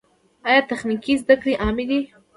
آیا تخنیکي زده کړې عامې دي؟